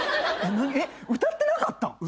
えっ歌ってなかった？